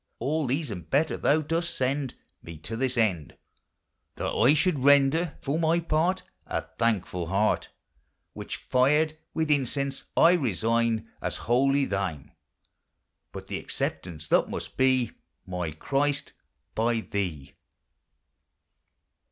All these and better thou dost send Me to this end, That I should render, for my part, A thankfulle heart, Which, fired with incense, I resigne As wholly thin 3; But the acceptance, that must be, My Christ, by thee.